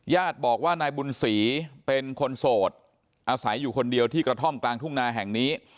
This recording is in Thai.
ญาติบอกว่านายบุญศรีเป็นคนโสดอาศัยอยู่คนเดียวที่กระท่อมกลางทุ่งนาแห่งนี้